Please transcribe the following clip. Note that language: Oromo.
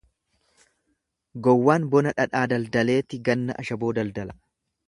Gowwaan bona dhadhaa daldaleeti ganna ashaboo daldala.